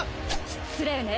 失礼ね！